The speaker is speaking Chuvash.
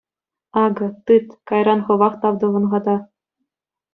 Акӑ, тыт, кайран хӑвах тав тӑвӑн-ха та.